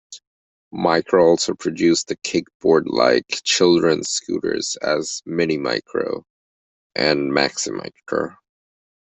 Micro also produced the Kickboard-like children's scooters as "Mini Micro" and "Maxi Micro".